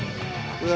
うわ。